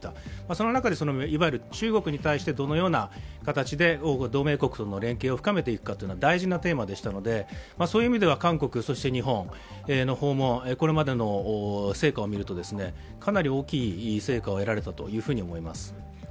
その中で、いわゆる中国に対してどのような形で同盟国との連携を深めていくかというのが大事なテーマでしたので、そういう意味では韓国、日本の訪問はこれまでの成果を見るとかなり大きい成果を得られたと思います。